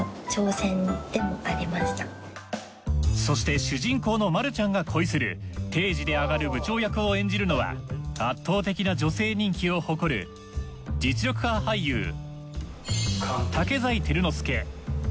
そして主人公のまるちゃんが恋する定時で上がる部長役を演じるのは圧倒的な女性人気を誇る実力派俳優。